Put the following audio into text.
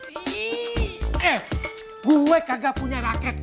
ih eh gue kagak punya raket